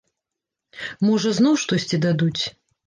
Можа, зноў штосьці дадуць.